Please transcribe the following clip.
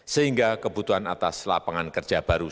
sehingga kebutuhan atas lapangan kerja baru